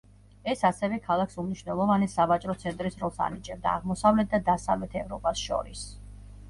ეს ასევე ქალაქს უმნიშვნელოვანეს სავაჭრო ცენტრის როლს ანიჭებდა აღმოსავლეთ და დასავლეთ ევროპას შორის.